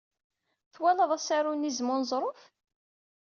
Twalaḍ asaru n Izem n Uneẓruf?